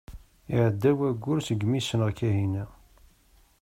Iɛedda wayyur segmi i ssneɣ Kahina.